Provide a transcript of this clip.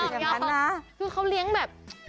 คือเขาเลี้ยงแบบ